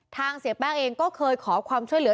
เสียแป้งเองก็เคยขอความช่วยเหลือ